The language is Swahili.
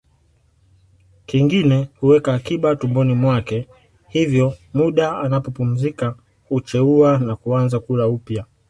Kingine huweka akiba tumboni mwake hivyo muda anapopumzika hucheua na kuanza kula upya